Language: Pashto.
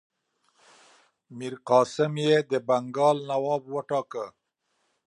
میرقاسم یې د بنګال نواب وټاکه.